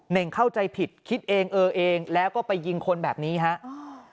่งเข้าใจผิดคิดเองเออเองแล้วก็ไปยิงคนแบบนี้ฮะอ่า